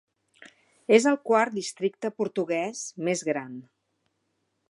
És el quart districte portuguès més gran.